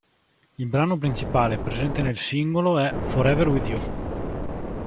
Il brano principale presente nel singolo è "Forever with You".